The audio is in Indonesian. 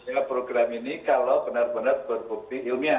karena program ini kalau benar benar berbukti ilmiah